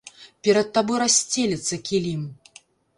Перад табой рассцелецца, кілім.